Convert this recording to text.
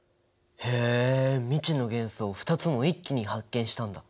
へえ未知の元素を２つも一気に発見したんだ。